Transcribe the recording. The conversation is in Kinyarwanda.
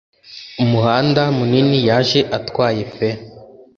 Umuhanda munini yaje atwaye pe